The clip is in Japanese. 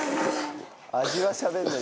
味はしゃべんない。